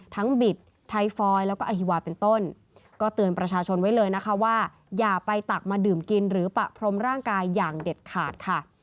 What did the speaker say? บิดไทฟอยแล้วก็อฮิวาเป็นต้นก็เตือนประชาชนไว้เลยนะคะว่าอย่าไปตักมาดื่มกินหรือปะพรมร่างกายอย่างเด็ดขาดค่ะ